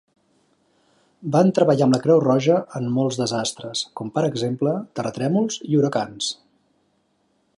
Van treballar amb la Creu Roja en molts desastres, com per exemple terratrèmols i huracans.